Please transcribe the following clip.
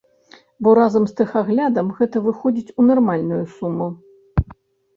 Бо разам з тэхаглядам гэта выходзіць у нармальную суму.